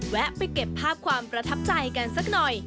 แวะไปเก็บภาพความประทับใจกันสักหน่อย